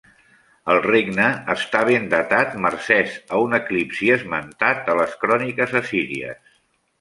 El regnat està ben datat mercès a un eclipsi esmentat a les cròniques assíries.